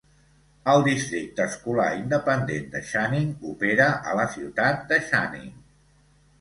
El districte escolar independent de Channing opera a la ciutat de Channing.